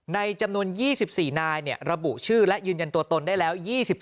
ในจำนวน๒๔นายระบุชื่อและยืนยันตัวตนได้แล้ว๒๓